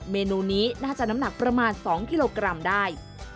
เมนูนี้น่าจะน้ำหนักประมาณ๒กิโลกรัมได้